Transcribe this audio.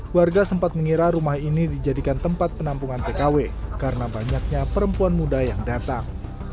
warga sempat mengira rumah ini dijadikan tempat penampungan tkw karena banyaknya perempuan muda yang datang